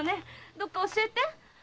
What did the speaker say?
どこか教えて。